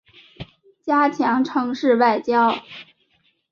加强城市外交